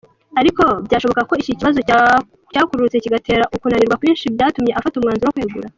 Ariko byashoboka ko iki kibazo cyakururutse kigatera ukunanirwa kwinshi byatumye afata umwanzuro wo kwegura.